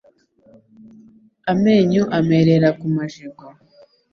Amenyo amerera ku majigo